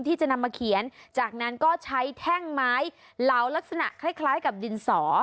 ที่จะนำมาเขียนจากนั้นก็ใช้แท่งไม้เหลาลักษณะคล้ายกับดินสอ